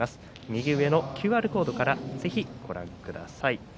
右上のＱＲコードからご覧ください。